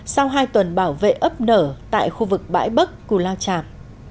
sau hai tuần bảo vệ ấp nở tại khu vực bãi bắc cù lao chạp